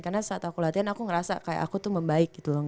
karena saat aku latihan aku ngerasa kayak aku tuh membaik gitu loh